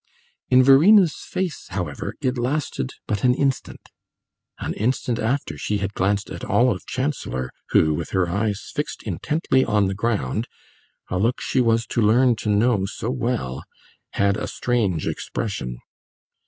In Verena's face, however, it lasted but an instant an instant after she had glanced at Olive Chancellor, who, with her eyes fixed intently on the ground (a look she was to learn to know so well), had a strange expression.